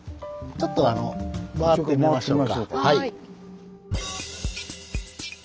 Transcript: ちょっと回ってみましょうか。